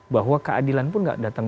bahwa keadilan pun gak datang dari keadilan